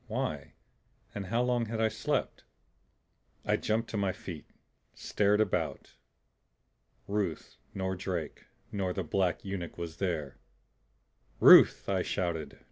Why? And how long had I slept? I jumped to my feet, stared about. Ruth nor Drake nor the black eunuch was there! "Ruth!" I shouted.